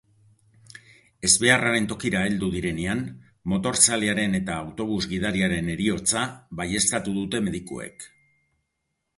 Ezbeharraren tokira heldu direnean, motorzalearen eta autobus-gidariaren heriotza baieztatu dute medikuek.